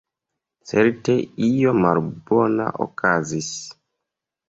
Certe io malbona okazis.